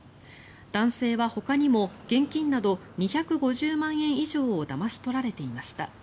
男性はほかにも現金など２５０万円以上をだまし取られていました。